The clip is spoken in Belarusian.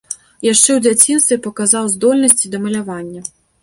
Яшчэ ў дзяцінстве паказаў здольнасці да малявання.